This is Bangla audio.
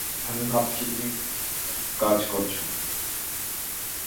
আমি ভাবছি তুমি বেশি দারুণ কাজ করেছো।